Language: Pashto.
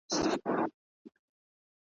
د غوايی تر سترګو ټوله ځنګل تور سو `